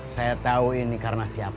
saya tahu ini karena siapa